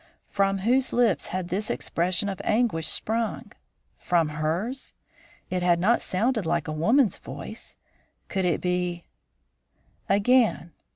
From whose lips had this expression of anguish sprung? From hers? It had not sounded like a woman's voice. Could it be Again!